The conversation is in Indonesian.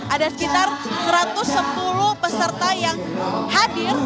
ada sekitar satu ratus sepuluh peserta yang hadir